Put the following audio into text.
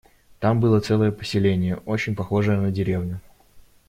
Там было целое поселение, очень похожее на деревню.